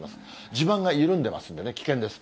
地盤が緩んでますんでね、危険です。